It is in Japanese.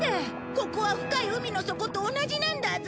ここは深い海の底と同じなんだぞ。